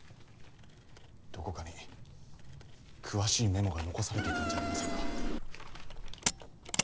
どこかに詳しいメモが残されていたんじゃありませんか。